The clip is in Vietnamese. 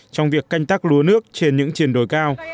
trong việc canh tác lúa nước trên những triển đồi cao